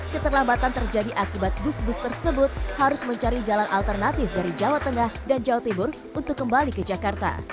keterlambatan terjadi akibat bus bus tersebut harus mencari jalan alternatif dari jawa tengah dan jawa timur untuk kembali ke jakarta